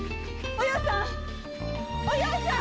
お葉さん！